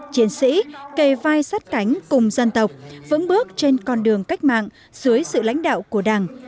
chiến sĩ kề vai sát cánh cùng dân tộc vững bước trên con đường cách mạng dưới sự lãnh đạo của đảng